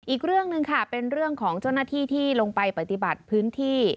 อีกเรื่องหนึ่งค่ะเป็นเรื่องของเจ้าหน้าที่ที่ลงไปปฏิบัติพื้นที่